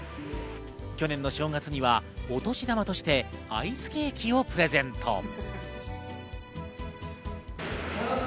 去年の正月にはお年玉としてアイスケーキをプレゼント。